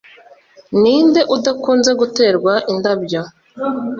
Ninde udakunze guterwa indabyo